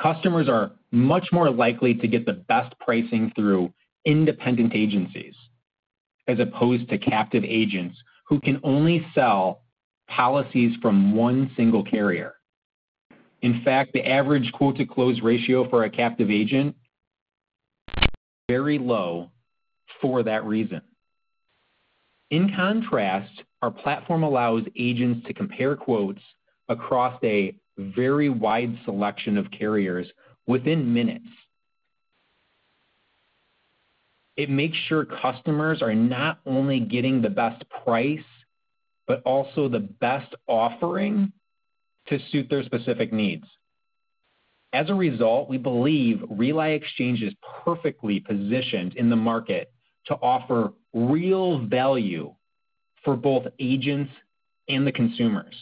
Customers are much more likely to get the best pricing through independent agencies, as opposed to captive agents, who can only sell policies from one single carrier. In fact, the average quote-to-close ratio for a captive agent, very low for that reason. In contrast, our platform allows agents to compare quotes across a very wide selection of carriers within minutes. It makes sure customers are not only getting the best price, but also the best offering to suit their specific needs. As a result, we believe RELI Exchange is perfectly positioned in the market to offer real value for both agents and the consumers.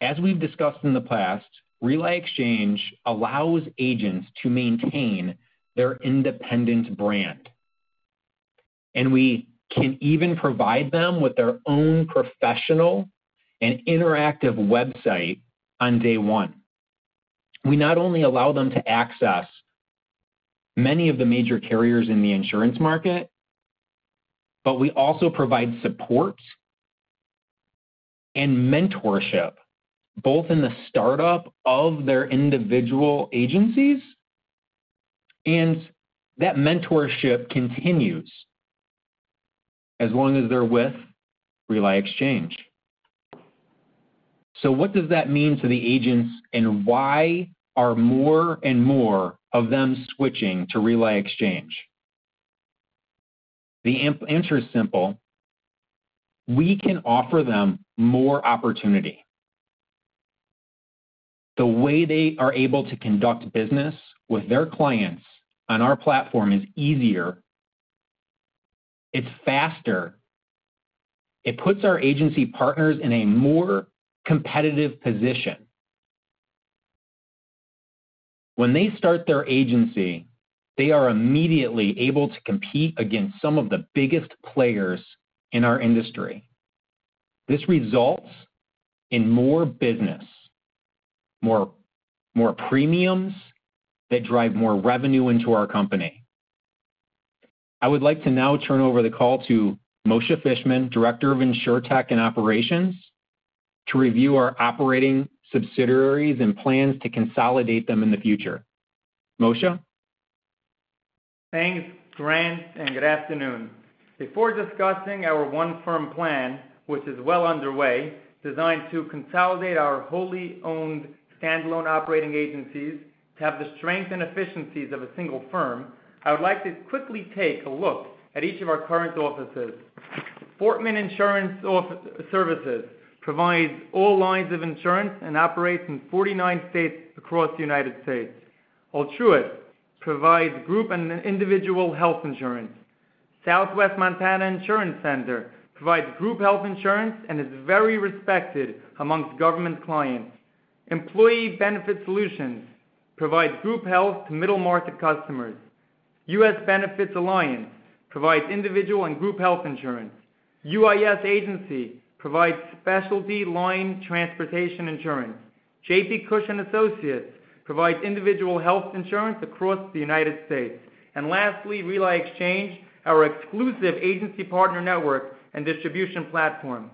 As we've discussed in the past, RELI Exchange allows agents to maintain their independent brand, and we can even provide them with their own professional and interactive website on day one. We not only allow them to access many of the major carriers in the insurance market, but we also provide support and mentorship, both in the startup of their individual agencies, and that mentorship continues as long as they're with RELI Exchange. What does that mean to the agents, and why are more and more of them switching to RELI Exchange? The answer is simple. We can offer them more opportunity. The way they are able to conduct business with their clients on our platform is easier, it's faster, it puts our agency partners in a more competitive position. When they start their agency, they are immediately able to compete against some of the biggest players in our industry. This results in more business, more, more premiums that drive more revenue into our company. I would like to now turn over the call to Moshe Fishman, Director of Insurtech and Operations, to review our operating subsidiaries and plans to consolidate them in the future. Moshe? Thanks, Grant. Good afternoon. Before discussing our one-firm plan, which is well underway, designed to consolidate our wholly owned standalone operating agencies to have the strength and efficiencies of a single firm, I would like to quickly take a look at each of our current offices. Fortman Insurance Services provides all lines of insurance and operates in 49 states across the United States. Altruis provides group and individual health insurance. Southwestern Montana Insurance provides group health insurance and is very respected amongst government clients. Employee Benefits Solutions provides group health to middle-market customers. U.S. Benefits Alliance provides individual and group health insurance. UIS Agency provides specialty line transportation insurance. J.P. Kush and Associates provides individual health insurance across the United States. Lastly, RELI Exchange, our exclusive agency partner network and distribution platform.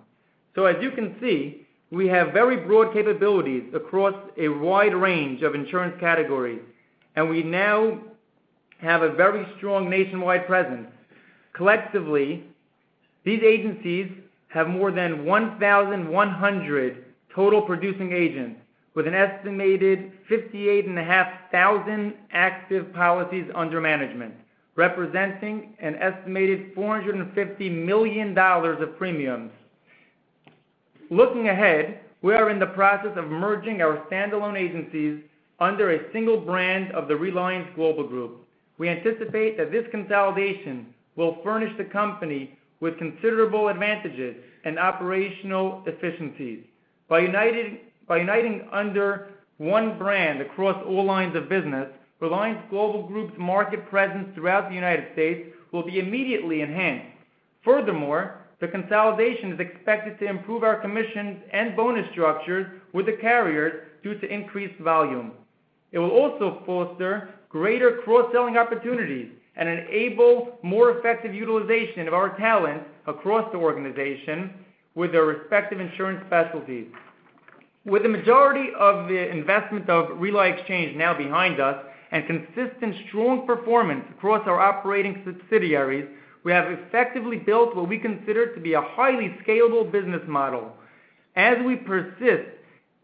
As you can see, we have very broad capabilities across a wide range of insurance categories, and we now have a very strong nationwide presence. Collectively, these agencies have more than 1,100 total producing agents with an estimated 58,500 active policies under management, representing an estimated $450 million of premiums. Looking ahead, we are in the process of merging our standalone agencies under a single brand of the Reliance Global Group. We anticipate that this consolidation will furnish the company with considerable advantages and operational efficiencies. By uniting under one brand across all lines of business, Reliance Global Group's market presence throughout the United States will be immediately enhanced. Furthermore, the consolidation is expected to improve our commissions and bonus structures with the carriers due to increased volume. It will also foster greater cross-selling opportunities and enable more effective utilization of our talent across the organization with their respective insurance specialties. With the majority of the investment of RELI Exchange now behind us, and consistent, strong performance across our operating subsidiaries, we have effectively built what we consider to be a highly scalable business model. As we persist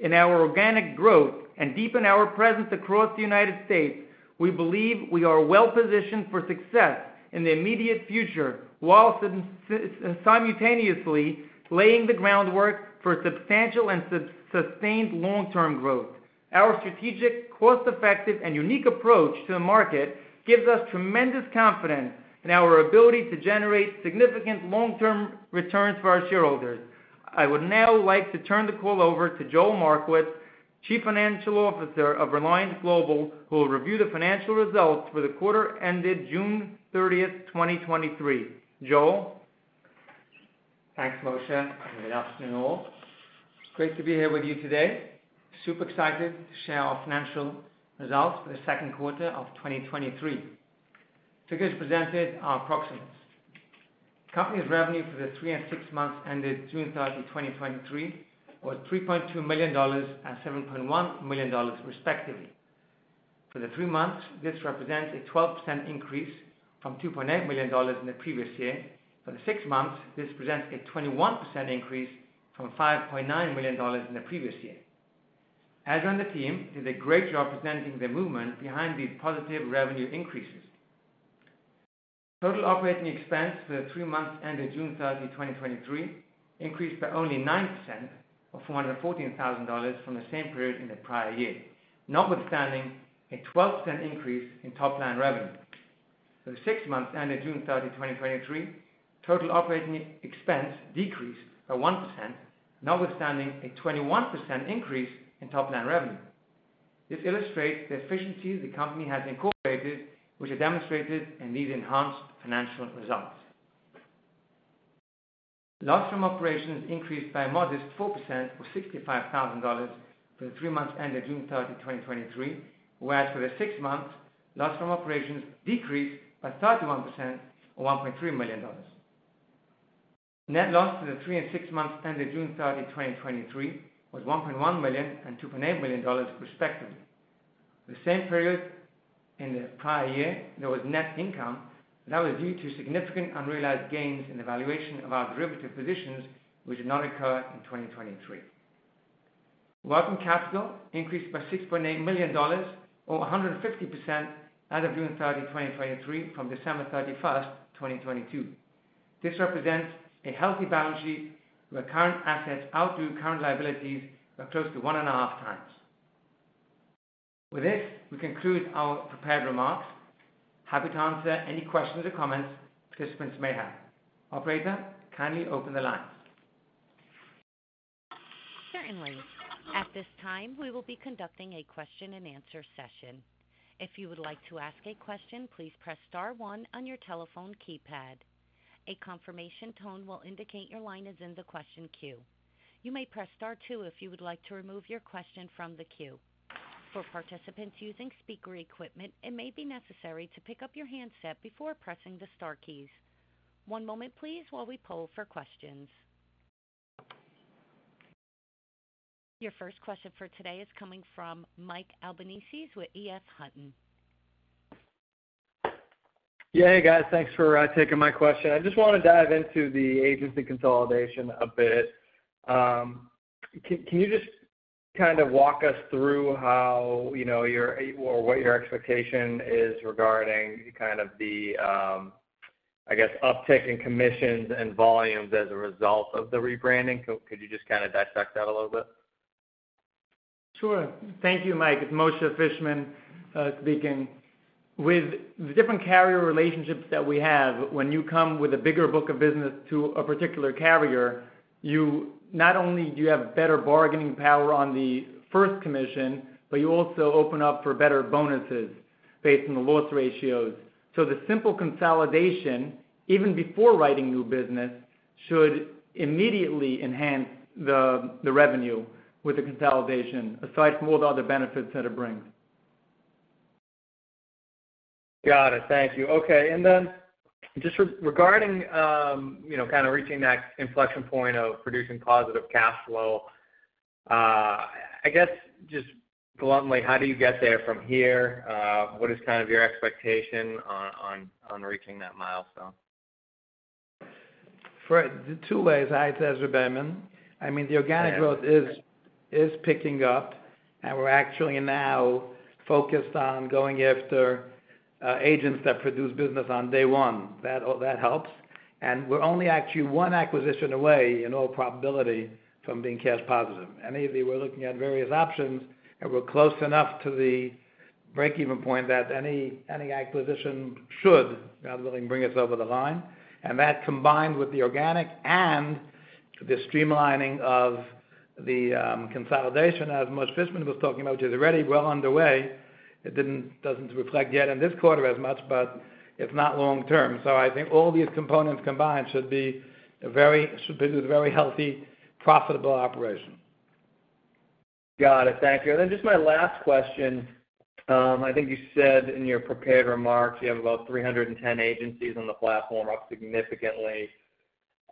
in our organic growth and deepen our presence across the United States, we believe we are well positioned for success in the immediate future, while simultaneously laying the groundwork for substantial and sustained long-term growth. Our strategic, cost-effective, and unique approach to the market gives us tremendous confidence in our ability to generate significant long-term returns for our shareholders. I would now like to turn the call over to Joel Markovits, Chief Financial Officer of Reliance Global, who will review the financial results for the quarter ended June thirtieth, 2023. Joel? Thanks, Moshe. Good afternoon, all. Great to be here with you today. Super excited to share our financial results for the Q2 of 2023. Figures presented are approximate. Company's revenue for the three and six months ended June 30, 2023, was $3.2 million and $7.1 million, respectively. For the three months, this represents a 12% increase from $2.8 million in the previous year. For the six months, this presents a 21% increase from $5.9 million in the previous year. As on the team, did a great job presenting the movement behind these positive revenue increases. Total operating expense for the three months ended June 30, 2023, increased by only 9%, or $414,000 from the same period in the prior year, notwithstanding a 12% increase in top line revenue. For the six months ended June 30, 2023, total operating expense decreased by 1%, notwithstanding a 21% increase in top-line revenue. This illustrates the efficiency the company has incorporated, which are demonstrated in these enhanced financial results. Loss from operations increased by a modest 4%, or $65,000, for the three months ended June 30, 2023. Whereas for the six months, loss from operations decreased by 31%, or $1.3 million. Net loss for the three and six months ended June 30, 2023, was $1.1 million and $2.8 million, respectively. The same period in the prior year, there was net income. That was due to significant unrealized gains in the valuation of our derivative positions, which did not occur in 2023. Working capital increased by $6.8 million, or 150%, as of June 30, 2023 from December 31st, 2022. This represents a healthy balance sheet, where current assets outdo current liabilities by close to 1.5x. With this, we conclude our prepared remarks. Happy to answer any questions or comments participants may have. Operator, kindly open the lines. Certainly. At this time, we will be conducting a question and answer session. If you would like to ask a question, please press star one on your telephone keypad. A confirmation tone will indicate your line is in the question queue. You may press star two if you would like to remove your question from the queue. For participants using speaker equipment, it may be necessary to pick up your handset before pressing the star keys. One moment please, while we poll for questions. Your first question for today is coming from Mike Albanese with EF Hutton. Yeah. Hey, guys. Thanks for taking my question. I just want to dive into the agency consolidation a bit. Can you just kind of walk us through how, you know, your or what your expectation is regarding kind of the, I guess, uptick in commissions and volumes as a result of the rebranding? Could you just kinda dissect that a little bit? Sure. Thank you, Mike. It's Moshe Fishman, speaking. With the different carrier relationships that we have, when you come with a bigger book of business to a particular carrier, not only do you have better bargaining power on the first commission, but you also open up for better bonuses based on the loss ratios. The simple consolidation, even before writing new business, should immediately enhance the revenue with the consolidation, aside from all the other benefits that it brings. Got it. Thank you. Okay, then just regarding, you know, kind of reaching that inflection point of producing positive cash flow, I guess just bluntly, how do you get there from here? What is kind of your expectation on, on, on reaching that milestone? Two ways. Hi, it's Ezra Beyman. I mean, the organic growth is, is picking up, and we're actually now focused on going after agents that produce business on day one. That, that helps. We're only actually one acquisition away, in all probability, from being cash positive. Maybe we're looking at various options, and we're close enough to the break-even point that any, any acquisition should, God willing, bring us over the line. That, combined with the organic and the streamlining of the consolidation, as Moshe Fishman was talking about, is already well underway. It didn't, doesn't reflect yet in this quarter as much, but it's not long term. I think all these components combined should be a very, should be a very healthy, profitable operation. Got it. Thank you. Then just my last question. I think you said in your prepared remarks, you have about 310 agencies on the platform, up significantly.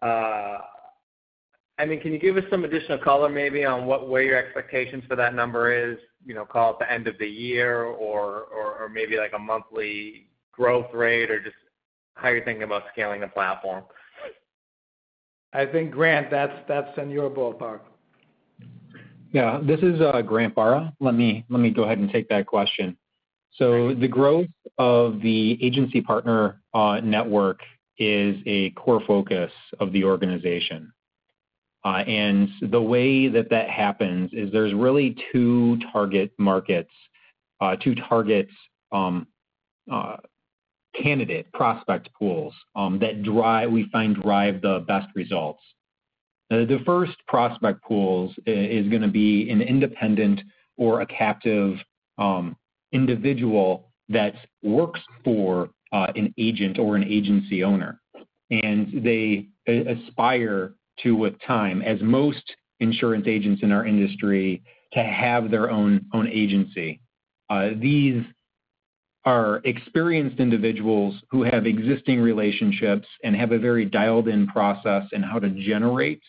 I mean, can you give us some additional color, maybe, on what were your expectations for that number is, you know, call it the end of the year or, or, or maybe like a monthly growth rate, or just how you're thinking about scaling the platform? I think, Grant, that's, that's in your ballpark. Yeah, this is Grant Barra. Let me, let me go ahead and take that question. The growth of the agency partner network is a core focus of the organization. The way that that happens is there's really two target markets, two targets, candidate prospect pools that drive we find drive the best results. The first prospect pools is going to be an independent or a captive individual that works for an agent or an agency owner. They, they aspire to, with time, as most insurance agents in our industry, to have their own, own agency. These are experienced individuals who have existing relationships and have a very dialed-in process in how to generate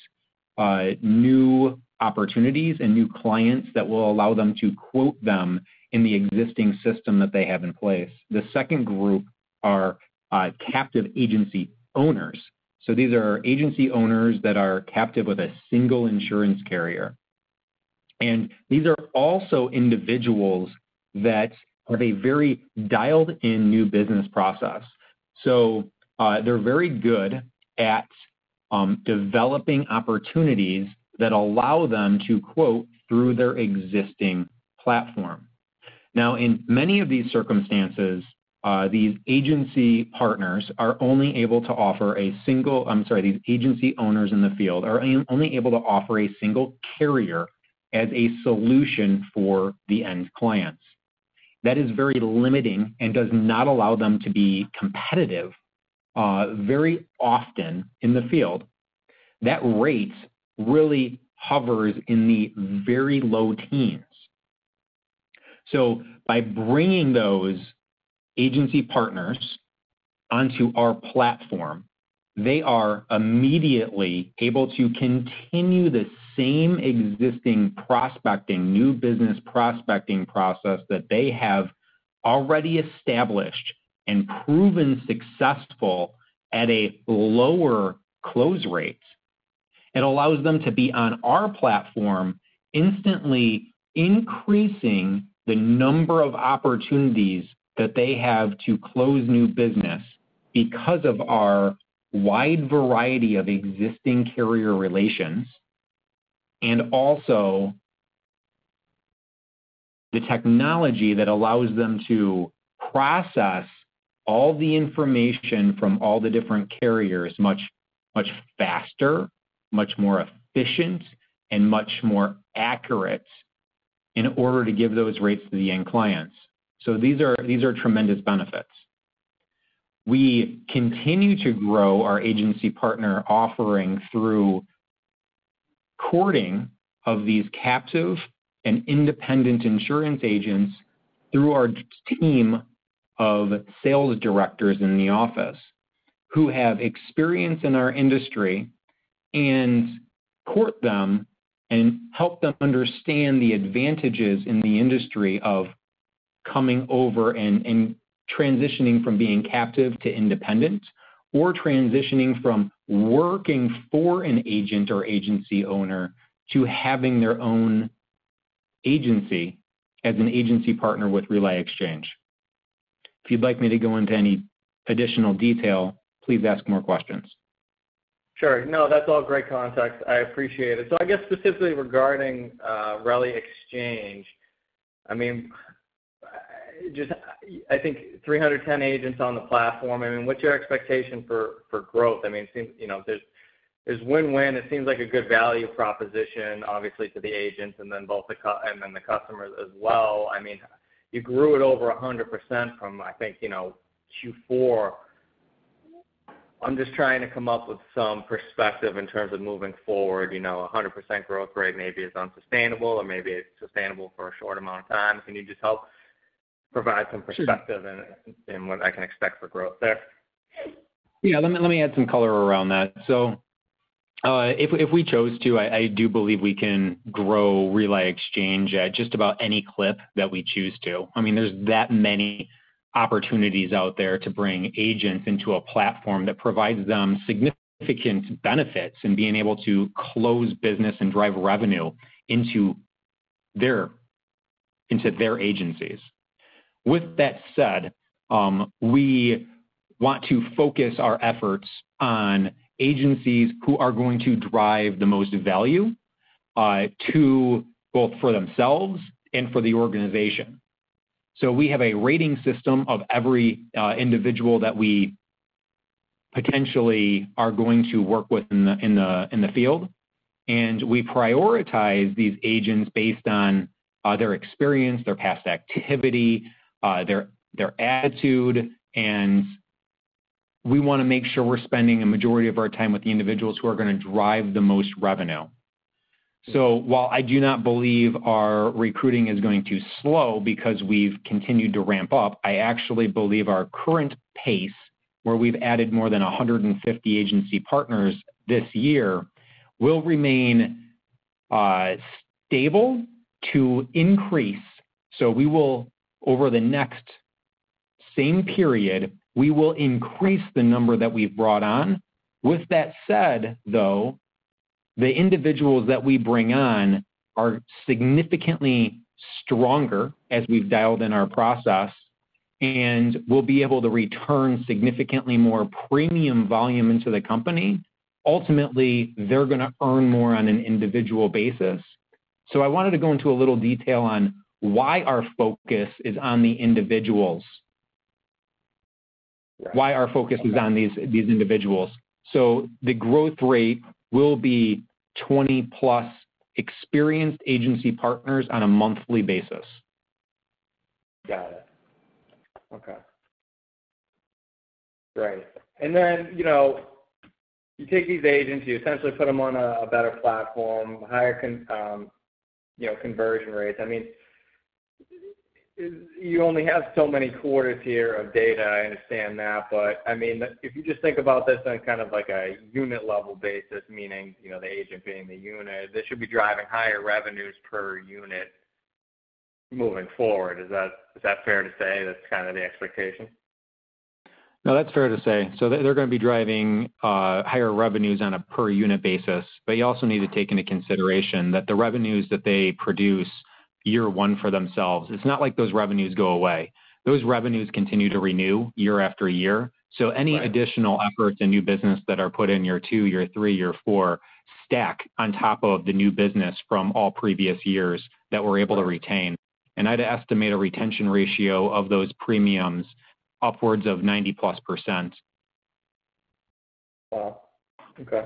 new opportunities and new clients that will allow them to quote them in the existing system that they have in place. The second group are captive agency owners. These are agency owners that are captive with a single insurance carrier. These are also individuals that have a very dialed-in new business process. They're very good at developing opportunities that allow them to quote through their existing platform. In many of these circumstances, these agency partners are only able to offer a single. I'm sorry, these agency owners in the field are only able to offer a single carrier as a solution for the end clients. That is very limiting and does not allow them to be competitive. Very often in the field, that rate really hovers in the very low teens. By bringing those agency partners onto our platform, they are immediately able to continue the same existing prospecting, new business prospecting process that they have already established and proven successful at a lower close rate. It allows them to be on our platform, instantly increasing the number of opportunities that they have to close new business because of our wide variety of existing carrier relations, and also the technology that allows them to process all the information from all the different carriers much, much faster, much more efficient, and much more accurate in order to give those rates to the end clients. These are, these are tremendous benefits. We continue to grow our agency partner offering through courting of these captive and independent insurance agents through our team of sales directors in the office, who have experience in our industry, and court them and help them understand the advantages in the industry of coming over and, and transitioning from being captive to independent, or transitioning from working for an agent or agency owner to having their own agency as an agency partner with RELI Exchange. If you'd like me to go into any additional detail, please ask more questions. Sure. No, that's all great context. I appreciate it. I guess specifically regarding RELI Exchange, I mean, just, I think 310 agents on the platform, I mean, what's your expectation for, for growth? I mean, it seems, you know, there's, there's win-win. It seems like a good value proposition, obviously, to the agents and then both the co- and then the customers as well. I mean, you grew it over 100% from, I think, you know, Q4. I'm just trying to come up with some perspective in terms of moving forward. You know, 100% growth rate maybe is unsustainable or maybe it's sustainable for a short amount of time. Can you just help provide some perspective. Sure. And, and what I can expect for growth there? Yeah, let me, let me add some color around that. If, if we chose to, I, I do believe we can grow RELI Exchange at just about any clip that we choose to. I mean, there's that many opportunities out there to bring agents into a platform that provides them significant benefits in being able to close business and drive revenue into their, into their agencies. With that said, we want to focus our efforts on agencies who are going to drive the most value to both for themselves and for the organization. We have a rating system of every individual that we potentially are going to work with in the, in the, in the field, and we prioritize these agents based on their experience, their past activity, their, their attitude, and we want to make sure we're spending a majority of our time with the individuals who are going to drive the most revenue. While I do not believe our recruiting is going to slow because we've continued to ramp up, I actually believe our current pace, where we've added more than 150 agency partners this year, will remain stable to increase. We will, over the next same period, we will increase the number that we've brought on. With that said, though, the individuals that we bring on are significantly stronger as we've dialed in our process, and will be able to return significantly more premium volume into the company. Ultimately, they're going to earn more on an individual basis. I wanted to go into a little detail on why our focus is on the individuals, why our focus is on these individuals. The growth rate will be 20 plus experienced agency partners on a monthly basis. Got it. Okay. Great. You know, you take these agents, you essentially put them on a, a better platform, higher con, you know, conversion rates. I mean, you only have so many quarters here of data. I understand that, but I mean, if you just think about this on kind of like a unit level basis, meaning, you know, the agent being the unit, this should be driving higher revenues per unit moving forward. Is that, is that fair to say that's kind of the expectation? No, that's fair to say. They, they're going to be driving higher revenues on a per unit basis. You also need to take into consideration that the revenues that they produce year one for themselves, it's not like those revenues go away. Those revenues continue to renew year-after-year. Right. Any additional efforts in new business that are put in year two, year three, year four, stack on top of the new business from all previous years that we're able to retain. I'd estimate a retention ratio of those premiums upwards of 90%+. Wow! Okay,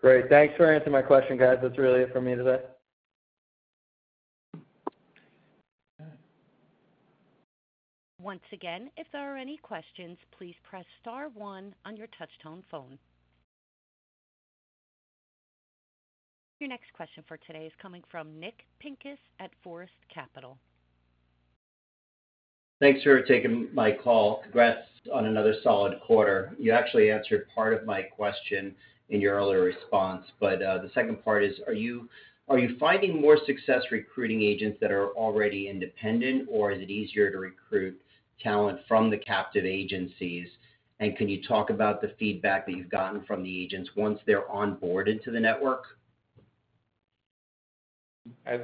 great. Thanks for answering my question, guys. That's really it for me today. Once again, if there are any questions, please press star one on your touchtone phone. Your next question for today is coming from Nick Pincus at Forest Capital. Thanks for taking my call. Congrats on another solid quarter. You actually answered part of my question in your earlier response, but, the second part is, are you, are you finding more success recruiting agents that are already independent, or is it easier to recruit talent from the captive agencies? Can you talk about the feedback that you've gotten from the agents once they're onboarded to the network? Yeah. I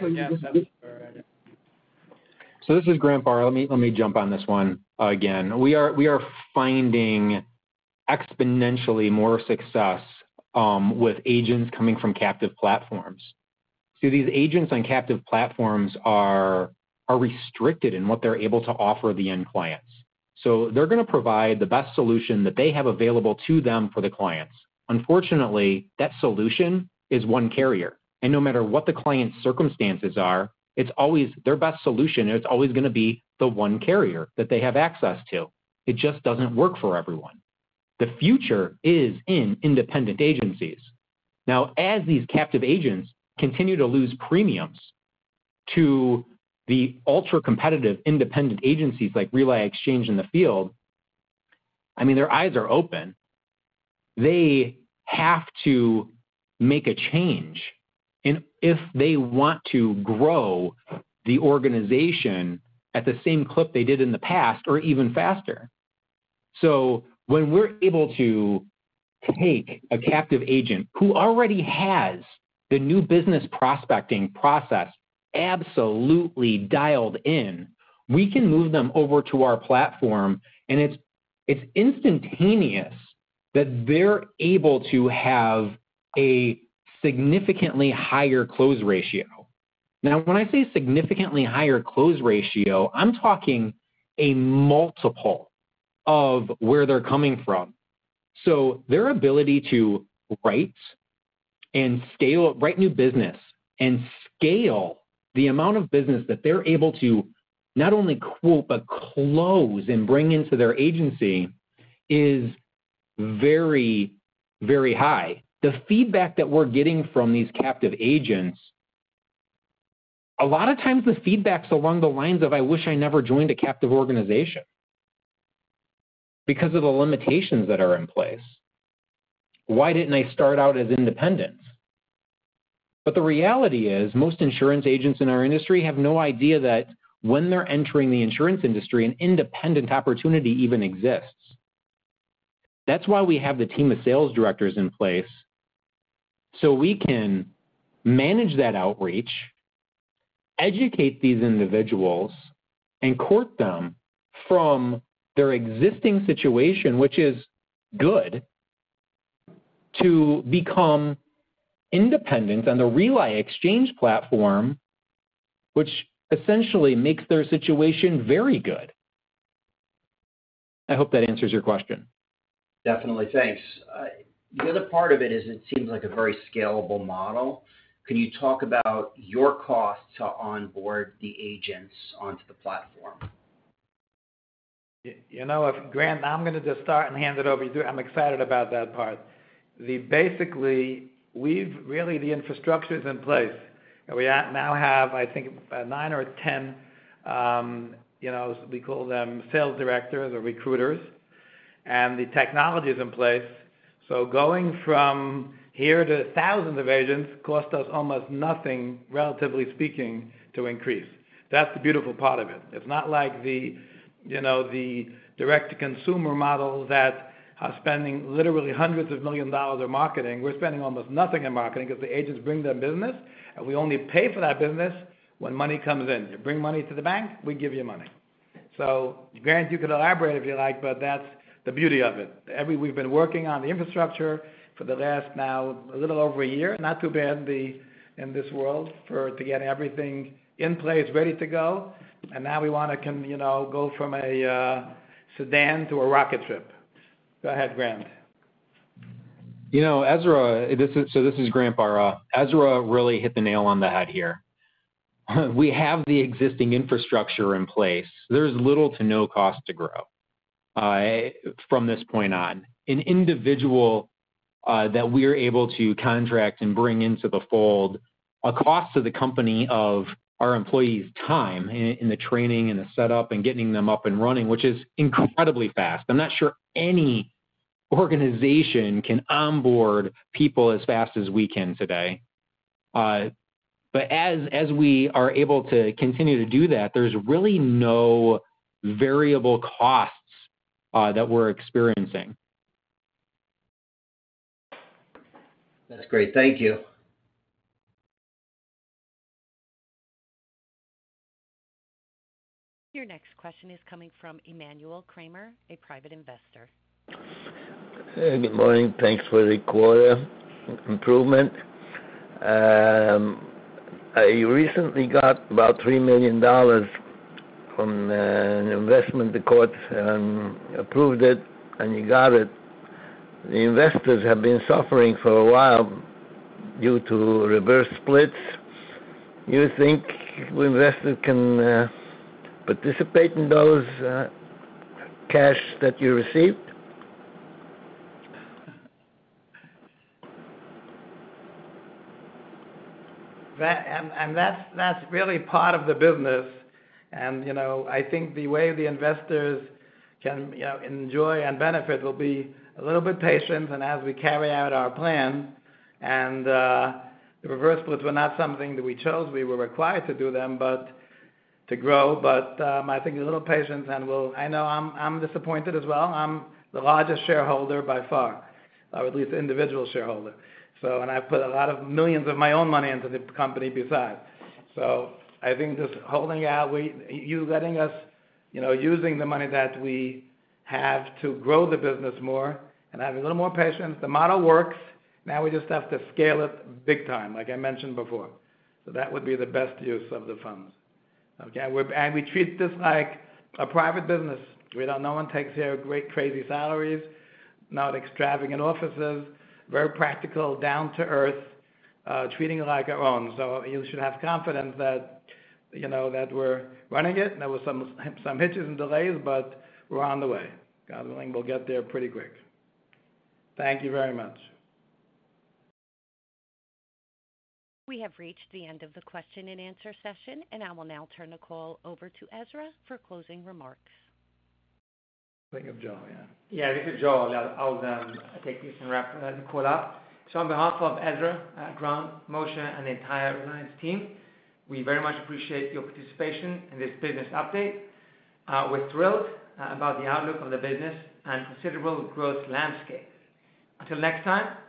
think, Grant, This is Grant Barra. Let me, let me jump on this one again. We are, we are finding exponentially more success with agents coming from captive platforms. See, these agents on captive platforms are, are restricted in what they're able to offer the end clients. They're going to provide the best solution that they have available to them for the clients. Unfortunately, that solution is one carrier, and no matter what the client's circumstances are, it's always their best solution, and it's always going to be the one carrier that they have access to. It just doesn't work for everyone. The future is in independent agencies. Now, as these captive agents continue to lose premiums to the ultra-competitive independent agencies like RELI Exchange in the field, I mean, their eyes are open. They have to make a change, and if they want to grow the organization at the same clip they did in the past, or even faster. When we're able to take a captive agent who already has the new business prospecting process absolutely dialed in, we can move them over to our platform, and it's, it's instantaneous that they're able to have a significantly higher close ratio. Now, when I say significantly higher close ratio, I'm talking a multiple of where they're coming from. Their ability to write and scale-- write new business and scale the amount of business that they're able to not only quote but close and bring into their agency is very, very high. The feedback that we're getting from these captive agents, a lot of times the feedback's along the lines of, "I wish I never joined a captive organization because of the limitations that are in place. Why didn't I start out as independent?" The reality is, most insurance agents in our industry have no idea that when they're entering the insurance industry, an independent opportunity even exists. That's why we have the team of sales directors in place, so we can manage that outreach, educate these individuals, and court them from their existing situation, which is good, to become independent on the RELI Exchange platform, which essentially makes their situation very good. I hope that answers your question. Definitely. Thanks. The other part of it is it seems like a very scalable model. Can you talk about your cost to onboard the agents onto the platform? You know, Grant Barra, I'm going to just start and hand it over to you. I'm excited about that part. Basically, we've really, the infrastructure is in place, and we now have, I think, nine or 10, you know, we call them sales directors or recruiters, and the technology is in place. Going from here to thousands of agents costs us almost nothing, relatively speaking, to increase. That's the beautiful part of it. It's not like the, you know, the direct-to-consumer model that are spending literally hundreds of millions of dollars in marketing. We're spending almost nothing in marketing because the agents bring their business, and we only pay for that business when money comes in. You bring money to the bank, we give you money. Grant Barra, you can elaborate if you like, but that's the beauty of it. We've been working on the infrastructure for the last, now a little over a year. Not too bad, the, in this world, for to get everything in place, ready to go. Now we want to come, you know, go from a sedan to a rocket ship. Go ahead, Grant. You know, Ezra, this is Grant Barra. Ezra really hit the nail on the head here. We have the existing infrastructure in place. There's little to no cost to grow from this point on. An individual that we are able to contract and bring into the fold, a cost to the company of our employees' time in, in the training and the setup and getting them up and running, which is incredibly fast. I'm not sure any organization can onboard people as fast as we can today. As, as we are able to continue to do that, there's really no variable costs that we're experiencing. That's great. Thank you. Your next question is coming from Emmanuel Kramer, a private investor. Hey, good morning. Thanks for the quarter improvement. You recently got about $3 million from an investment. The court approved it, and you got it. The investors have been suffering for a while due to reverse splits. You think we investors can participate in those cash that you received? That's, that's really part of the business. You know, I think the way the investors can, you know, enjoy and benefit will be a little bit patient, and as we carry out our plan, and the reverse splits were not something that we chose. We were required to do them, but to grow. I think a little patience and we'll, I know I'm, I'm disappointed as well. I'm the largest shareholder by far, or at least individual shareholder. I put a lot of millions of my own money into the company besides. I think just holding out, we, you letting us, you know, using the money that we have to grow the business more and have a little more patience. The model works. Now we just have to scale it big time, like I mentioned before. That would be the best use of the funds. Okay. We treat this like a private business. No one takes their great, crazy salaries, not extravagant offices, very practical, down-to-earth, treating it like our own. You should have confidence that, you know, that we're running it. There were some, some hitches and delays, but we're on the way. God willing, we'll get there pretty quick. Thank you very much. We have reached the end of the question and answer session, and I will now turn the call over to Ezra for closing remarks. Think of Joel, yeah. Yeah, this is Joel. I'll take this and wrap the call up. On behalf of Ezra, Grant, Moshe, and the entire Reliance team, we very much appreciate your participation in this business update. We're thrilled about the outlook of the business and considerable growth landscape. Until next time, thank you.